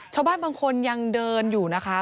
ชาวบ้านบางคนยังเดินอยู่นะคะ